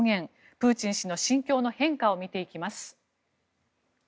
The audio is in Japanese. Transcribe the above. プーチン氏の心境の変化を見ていきます。